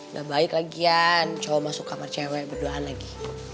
udah baik lagian cowok masuk kamar cewek berduaan lagi